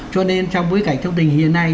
cho nên trong bối cảnh trong tình hiện nay